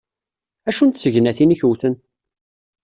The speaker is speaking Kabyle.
Acu n tessegnatin i k-wten?